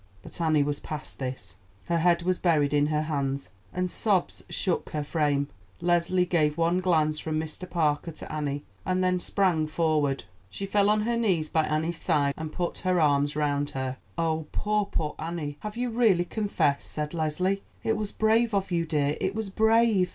But Annie was past this, her head was buried in her hands, and sobs shook her frame. Leslie gave one glance from Mr. Parker to Annie, and then sprang forward. She fell on her knees by Annie's side, and put her arms round her. "Oh, poor, poor Annie; have you really confessed?" said Leslie. "It was brave of you, dear; it was brave."